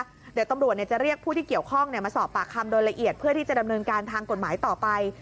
เดี๋ยวตำรวจจะเรียกผู้ที่เกี่ยวข้องมาสอบปากคำโดยละเอียดเพื่อที่จะดำเนินการทางกฎหมายต่อไป